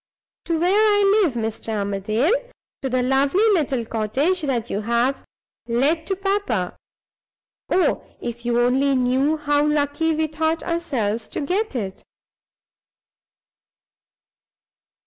To where I live, Mr. Armadale; to the lovely little cottage that you have let to papa. Oh, if you only knew how lucky we thought ourselves to get it!"